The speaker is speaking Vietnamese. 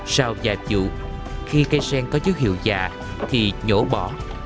sau vài vụ khi cây sen có chữ hiệu dạ thì nhổ bỏ